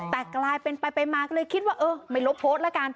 แต่กลายเป็นไปมาก็เลยคิดว่าเออไม่ลบโพสต์ละกัน